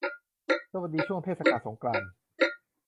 สวัสดีช่วงเทศกาลสงกรานต์